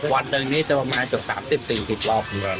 วันหนึ่งนี้จะประมาณจาก๓๐สิบรอบ